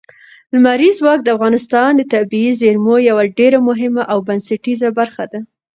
لمریز ځواک د افغانستان د طبیعي زیرمو یوه ډېره مهمه او بنسټیزه برخه ده.